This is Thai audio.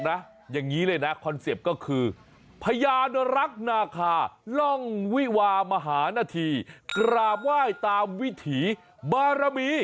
เหมือนเสียงมันหลบ